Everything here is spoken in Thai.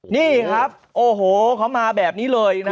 นี่ครับโอ้โหเขามาแบบนี้เลยนะ